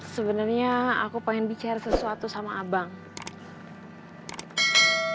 sebenarnya aku mau bicara sesuatu sama pak etna